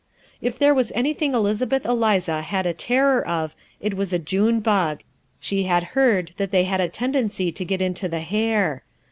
If there was anything Elizabeth Eliza had a terror of it was a June bug. She had heard that they had a tendency to get into the hair.